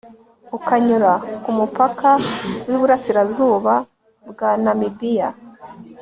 ukanyura ku mupaka w'iburasirazuba bwa namibiya